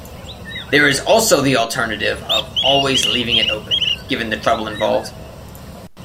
There is also the alternative of always leaving it open, given the trouble involved.